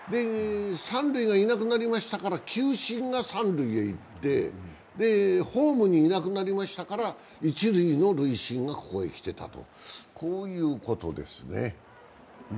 三塁がいなくなりましたが球審が三塁へ行ってホームにいなくなりましたから一塁の塁審がここに来ていたとこういうことですね。